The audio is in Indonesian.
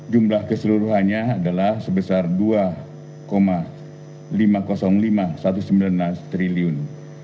jumlah keseluruhannya adalah sebesar rp dua lima ratus lima triliun